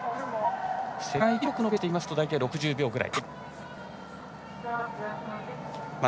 世界記録のペースですと大体６０秒くらい。